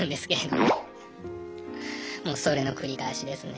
もうそれの繰り返しですね。